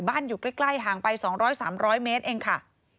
อยู่ใกล้ห่างไป๒๐๐๓๐๐เมตรเองค่ะ